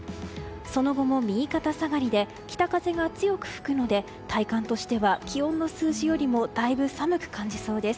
その後も右肩下がりで北風が強く吹くので体感としては気温の数字よりもだいぶ寒く感じそうです。